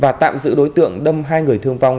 và tạm giữ đối tượng đâm hai người thương vong